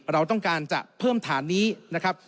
เราต้องการจะเพิ่มฐานนี้นะครับ